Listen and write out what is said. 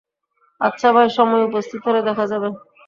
আচ্ছা ভাই, সময় উপস্থিত হলে দেখা যাবে।